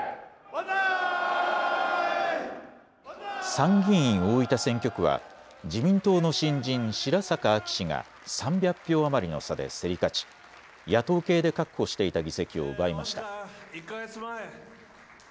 参議院大分選挙区は自民党の新人、白坂亜紀氏が３００票余りの差で競り勝ち野党系で確保していた議席を奪いました。